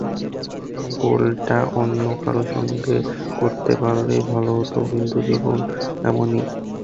গোলটা অন্য কারও সঙ্গে করতে পারলেই ভালো হতো, কিন্তু জীবন এমনই।